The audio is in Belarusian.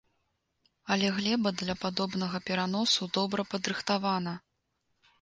Але глеба для падобнага пераносу добра падрыхтавана.